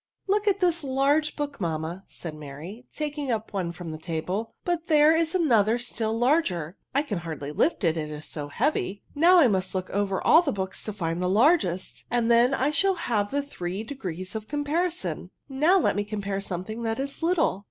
Look at this large book, mamma," said Mary, taking up one from the table; .'* but there is another still larger : I can hardly lift it, it is so heavy ; now I must look over all the books to find the largest, and then I shall have the three degrees of comparison. Now let me com pare somethiiig that is little.